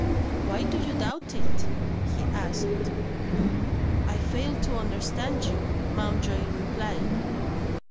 "Why do you doubt it?" he asked. "I fail to understand you," Mountjoy replied.